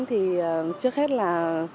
thì trước hết là